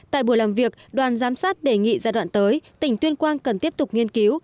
tại buổi làm việc đoàn giám sát đề nghị giai đoạn tới tỉnh tuyên quang cần tiếp tục nghiên cứu